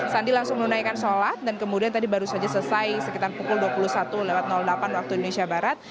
sandi langsung menunaikan sholat dan kemudian tadi baru saja selesai sekitar pukul dua puluh satu delapan waktu indonesia barat